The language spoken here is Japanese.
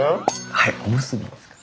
はいおむすびですかね。